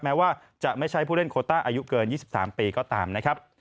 แม้ว่าจะไม่ใช่ผู้เล่นโคต้าอายุเกิน๒๓ปีก็ตามนะครับ